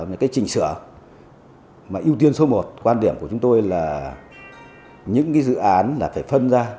những cái chỉnh sửa mà ưu tiên số một quan điểm của chúng tôi là những cái dự án là phải phân ra